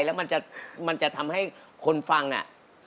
แล้วมันจะทำให้คนฟังอ่ะ